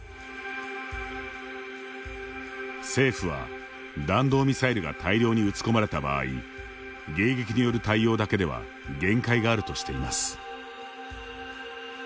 政府は、弾道ミサイルが大量に撃ち込まれた場合迎撃による対応だけでは限界があるとしています。